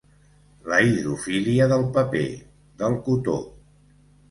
La hidrofília del paper, del cotó.